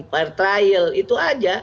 pertrial itu aja